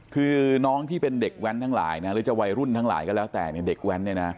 คือน้องที่เป็นเด็กแว้นทั้งหลายนะหรือจะวัยรุ่นทั้งหลายก็แล้วแต่เนี่ยเด็กแว้นเนี่ยนะ